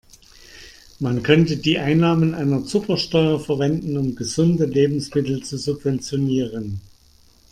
Man könnte die Einnahmen einer Zuckersteuer verwenden, um gesunde Lebensmittel zu subventionieren.